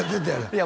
いや